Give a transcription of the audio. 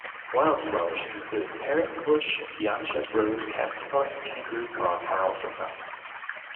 Wildflowers including parrot bush, yanchep rose, catspaw and kangaroo paw are also found.